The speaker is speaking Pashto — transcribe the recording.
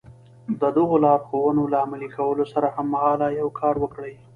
د دغو لارښوونو له عملي کولو سره هممهاله يو کار وکړئ.